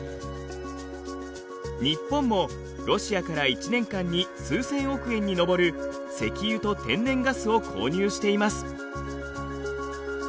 日本もロシアから１年間に数千億円に上る石油と天然ガスを購入しています。